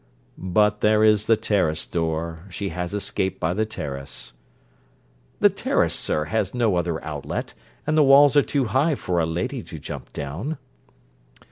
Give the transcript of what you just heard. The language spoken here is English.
'But there is the terrace door: she has escaped by the terrace.' 'The terrace, sir, has no other outlet, and the walls are too high for a lady to jump down.'